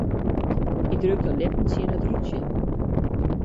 Hy drukt de lippen tsjin it rútsje.